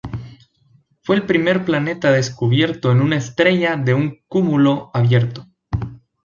Fue el primer planeta descubierto en una estrella de un cúmulo abierto.